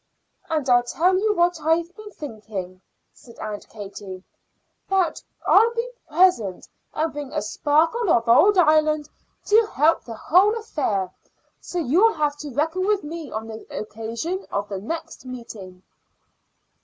"And I'll tell you what I've been thinking," said Aunt Katie; "that I'll be present, and bring a sparkle of old Ireland to help the whole affair. So you'll have to reckon with me on the occasion of the next meeting."